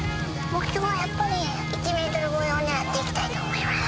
目標はやっぱり１ｍ超えを狙っていきたいと思います